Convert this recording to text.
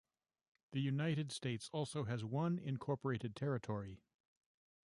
The United States also has one incorporated territory.